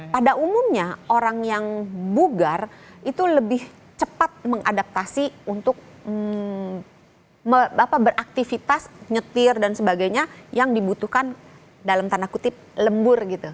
pada umumnya orang yang bugar itu lebih cepat mengadaptasi untuk beraktivitas nyetir dan sebagainya yang dibutuhkan dalam tanda kutip lembur gitu